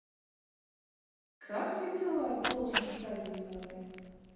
Kas ir cilvēku plūsmas skaitītāji?